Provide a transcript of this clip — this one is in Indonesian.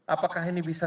apakah ini bisa